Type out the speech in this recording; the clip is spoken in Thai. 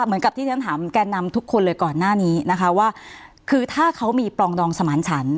เหมือนกับที่ฉันถามแก่นำทุกคนเลยก่อนหน้านี้นะคะว่าคือถ้าเขามีปลองดองสมานฉัน